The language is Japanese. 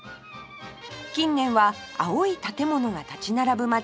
近年は青い建物が立ち並ぶ街